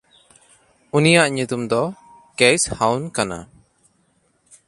ᱩᱱᱤᱭᱟᱜ ᱧᱩᱛᱩᱢ ᱫᱚ ᱠᱮᱭᱥᱦᱟᱣᱱ ᱠᱟᱱᱟ᱾